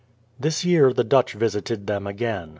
This year the Dutch visited them again.